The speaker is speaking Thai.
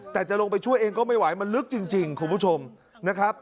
แต่จะลงไปช่วยเองก็ไม่ไหวมันลึกจริงคุณผู้ชมนะครับ